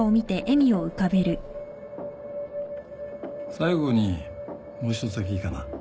最後にもう一つだけいいかな？